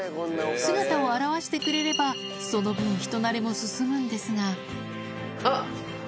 姿を現してくれればその分人なれも進むんですがあっ！